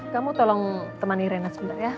kamu tolong temani rena sebentar ya